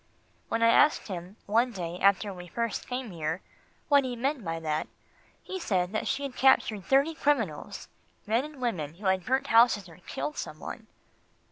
When I asked him, one day after we first came here, what he meant by that, he said that she had captured thirty criminals men and women who had burnt houses or killed some one.